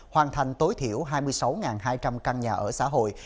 hoàn thành tối thiểu hai mươi sáu hai trăm linh căn nhà ở xã hội